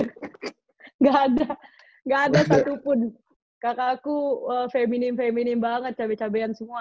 enggak ada enggak ada satupun kakakku feminim feminim banget cabe cabean semua